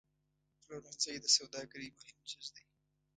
پلورنځی د سوداګرۍ مهم جز دی.